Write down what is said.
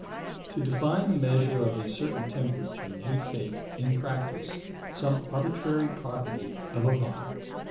To define the measure of a certain temperature, we take, in practice, some arbitrary property of a body.